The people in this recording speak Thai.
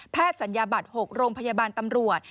สัญญาบัตร๖โรงพยาบาลตำรวจ